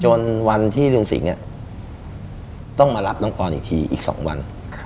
วันที่ลุงสิงห์ต้องมารับน้องปอนอีกทีอีก๒วัน